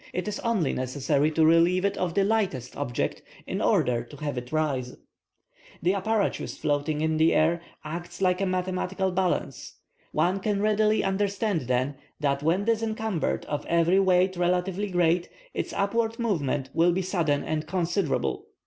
It is only necessary to relieve it of the lightest object in order to have it rise. The apparatus floating in air acts like a mathematical balance. One can readily understand, then, that when disencumbered of every weight relatively great, its upward movement will be sudden and considerable.